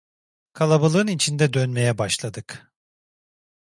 Kalabalığın içinde dönmeye başladık.